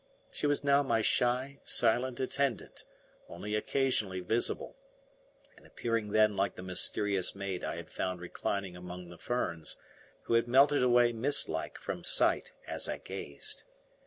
She was now my shy, silent attendant, only occasionally visible, and appearing then like the mysterious maid I had found reclining among the ferns who had melted away mist like from sight as I gazed.